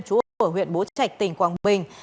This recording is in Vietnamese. trú ở huyện bố trạch tỉnh quảng bình